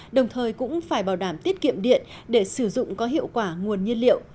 đồng thời cũng phải bảo đảm tiết kiệm điện để sử dụng có hiệu quả nguồn nhiên liệu